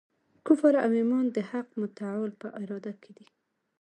کفر او ایمان د حق متعال په اراده کي دی.